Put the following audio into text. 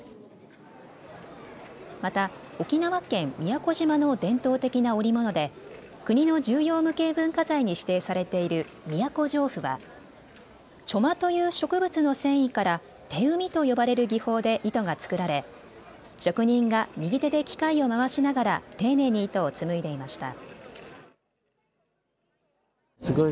また沖縄県宮古島の伝統的な織物で国の重要無形文化財に指定されている宮古上布は苧麻という植物の繊維から手績みと呼ばれる技法で糸が作られ職人が右手で機械を回しながら丁寧に糸を紡いでいました。